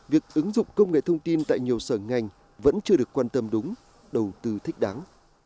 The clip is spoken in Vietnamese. việc ứng dụng công nghệ thông tin tại nhiều sở ngành vẫn chưa được quan tâm đúng đầu tư thích đáng